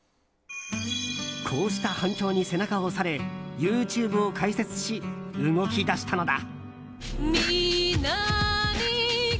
こうした反響に背中を押されＹｏｕＴｕｂｅを開設し動き出したのだ。